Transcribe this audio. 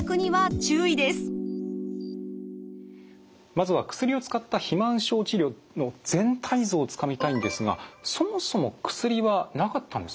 まずは薬を使った肥満症治療の全体像をつかみたいんですがそもそも薬はなかったんですか？